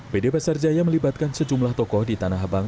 pd pasar jaya melibatkan sejumlah tokoh di tanah abang